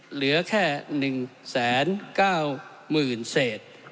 เหลือแค่๑๙๐๐๐เศษ